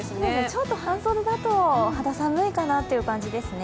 ちょっと半袖だと肌寒いかなという感じですね。